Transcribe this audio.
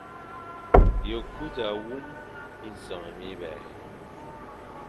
Ye ku za wum minsef mibè.